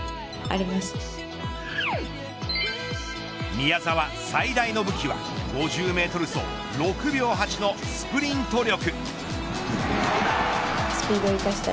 宮澤最大の武器は５０メートル走、６秒８のスプリント力。